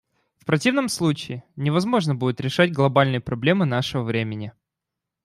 В противном случае, невозможно будет решать глобальные проблемы нашего времени.